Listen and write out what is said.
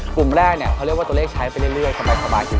กลุ่มแรกเค้าเรียกว่าตัวเลขใช้ไปเรื่อยทำไปขบานชิว